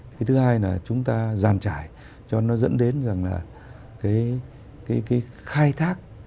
thứ hai là chúng ta dàn trải cho nó dẫn đến rằng là cái khai thác